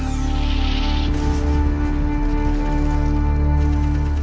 proklamasi kemerdekaan indonesia yang terjadi tujuh belas agustus seribu sembilan ratus empat puluh lima